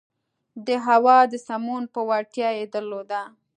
د هوا د سمون وړتیا یې درلوده.